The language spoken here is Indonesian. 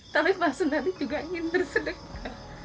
tapi mbak sunardi juga ingin bersedekah